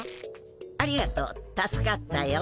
ありがとう助かったよ。